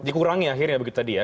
dikurangi akhirnya begitu tadi ya